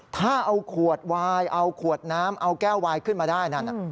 ถ้าเอาขวดวายเอาขวดน้ำเอาแก้ววายขึ้นมาได้นั่น